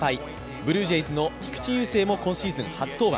ブルージェイズの菊池雄星も今シーズン初登板。